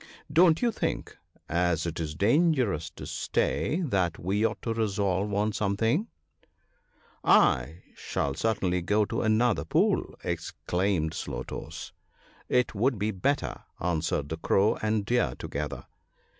' Don't you think, as it is dangerous to stay, that we ought to resolve on some thing ?""/ shall certainly go to another pool," exclaimed Slow toes. " It would be better," answered the Crow and Deer together.